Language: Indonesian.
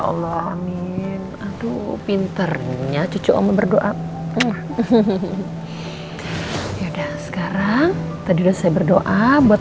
allah amin aduh pinternya cucu omba berdoa ya udah sekarang tadi udah saya berdoa buat